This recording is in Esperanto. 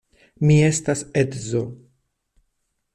Mi estas edzo.